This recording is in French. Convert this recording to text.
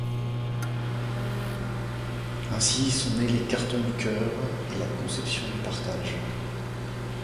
Ainsi sont nés les Cartons du Cœur et la conception du partage.